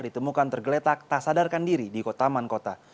ditemukan tergeletak tak sadarkan diri di taman kota